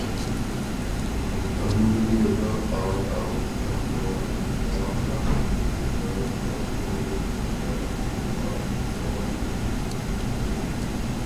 او ترمُنه ليې ګه آ دعوت هۀ که مرداړ لیکی ر ګۀ ته خوړُو او ته شیو پاره څوّن۔